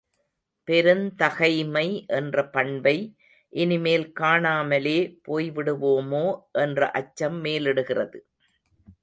பெருந்தகைமை என்ற பண்பை இனிமேல் காணாமலே போய்விடுவோமோ என்ற அச்சம் மேலிடுகிறது.